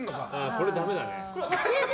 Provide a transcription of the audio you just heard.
これ、ダメだね。